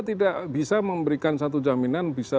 tidak bisa memberikan satu jaminan bisa